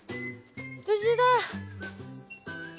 無事だ！